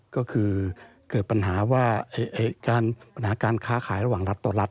ก็คือเกิดปัญหาการค้าขายระหว่างรัฐต่อรัฐ